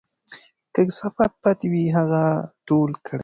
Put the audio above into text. که کثافات پاتې وي، هغه ټول کړئ.